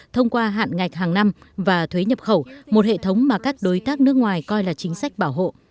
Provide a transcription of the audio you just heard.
thông qua hạn ngạch hàng năm và thuế nhập khẩu một hệ thống mà các đối tác nước ngoài coi là chính sách bảo hộ